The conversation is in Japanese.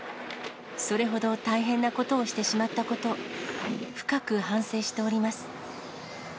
それほど大変なことをしてしまったこと、深く反省しております。